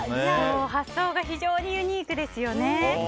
発想が非常にユニークですよね。